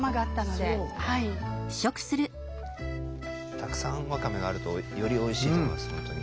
たくさんわかめがあるとよりおいしいと思います本当に。